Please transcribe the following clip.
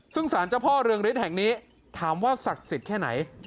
ซึ่งสารเจ้าเพราะเรืองฤทธิ์แห่งนี้ถามสักสิทธิ์แค่ไหน